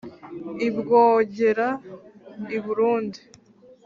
i bwongera: i burundi